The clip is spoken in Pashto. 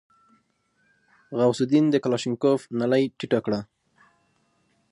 غوث الدين د کلاشينکوف نلۍ ټيټه کړه.